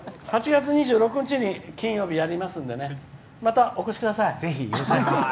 ８月２６日金曜日にやりますんでねまたお越しください。